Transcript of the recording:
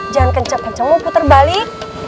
jangan kenceng kencengmu puter balik